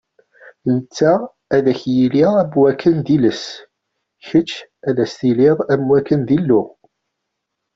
Netta ad k-yili am wakken d iles, kečč ad s-tiliḍ am wakken d Illu.